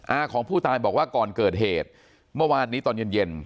อาของผู้ตายบอกว่าก่อนเกิดเหตุเมื่อวานนี้ตอนเย็นเย็น